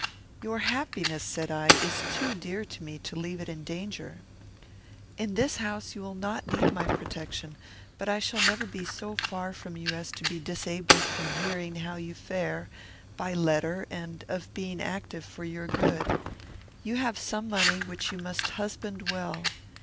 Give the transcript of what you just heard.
"Your happiness," said I, "is too dear to me to leave it in danger. In this house you will not need my protection, but I shall never be so far from you as to be disabled from hearing how you fare, by letter, and of being active for your good. You have some money, which you must husband well.